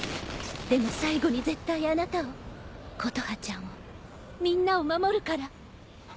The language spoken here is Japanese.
でも最後に絶対あなたを琴葉ちゃんをみんなを守るから。